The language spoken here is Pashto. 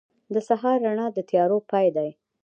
• د سهار رڼا د تیارو پای دی.